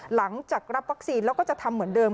หลังจากรับวัคซีนแล้วก็จะทำเหมือนเดิม